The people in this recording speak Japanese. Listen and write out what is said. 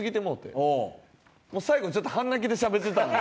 最後ちょっと半泣きでしゃべってたんで。